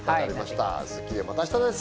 スッキリはまた明日です。